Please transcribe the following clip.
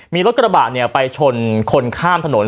มีรถกระบะไปชนคนข้ามถนน